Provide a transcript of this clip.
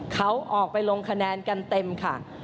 เขาออกไปลงคะแนนกันเต็มค่ะ